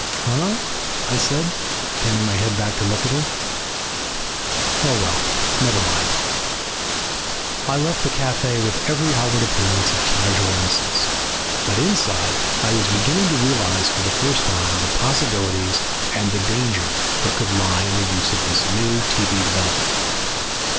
"Huh?" I said, turning my head back to look at her. "Oh. Well, never mind." I left the cafe with every outward appearance of casual innocence; but inside I was beginning to realize for the first time the possibilities and the danger that could lie in the use of this new TV development.